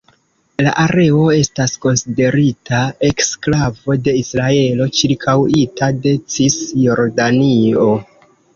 La areo estas konsiderita eksklavo de Israelo, ĉirkaŭita de Cisjordanio.